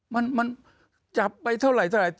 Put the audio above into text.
มันจับไปเท่าไหร่